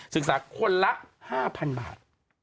ศึกษาคนละ๕๐๐๐บาท